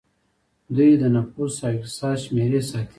دوی د نفوس او اقتصاد شمیرې ساتي.